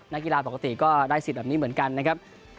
นักกีฬาปกติก็ได้สิทธิ์แบบนี้เหมือนกันนะครับ